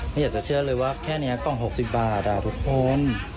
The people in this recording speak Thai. ไม่อยากจะเชื่อเลยว่าแค่นี้กล่อง๖๐บาทด่าทุกคน